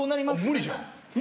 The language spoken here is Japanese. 無理じゃん。